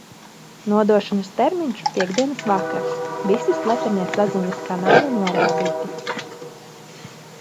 Nodošanas termiņš - piektdienas vakars. Visi slepenie saziņas kanāli norādīti.